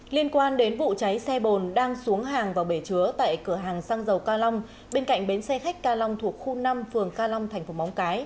liên quan đến vụ cháy xe bồn đang xuống hàng vào bể chứa tại cửa hàng xăng dầu ca long bên cạnh bến xe khách ca long thuộc khu năm phường ca long